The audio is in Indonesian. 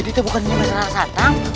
jadi itu bukan yang masalah satang